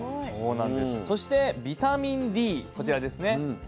そしてビタミンＤこちらですね。